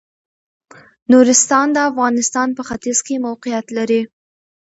نورستان د افغانستان په ختيځ کې موقيعت لري.